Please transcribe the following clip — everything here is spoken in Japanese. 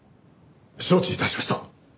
承知致しました。